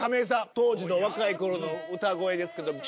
当時の若い頃の歌声ですけど。